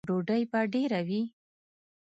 _ډوډۍ به ډېره وي؟